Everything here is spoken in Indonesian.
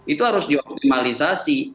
itu harus di optimalisasi